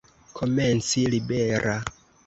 Komenci libera.